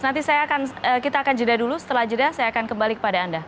nanti saya akan kita akan jeda dulu setelah jeda saya akan kembali kepada anda